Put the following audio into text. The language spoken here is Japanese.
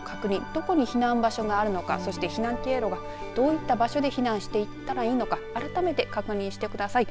どこに避難場所があるのかそして避難経路がどういった場所に避難していったらいいのか改めて確認してください。